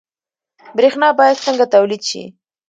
برښنا باید څنګه تولید شي؟